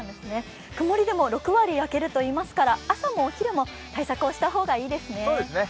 曇りでも６割焼けるといいますから朝もお昼も対策をした方がいいですね。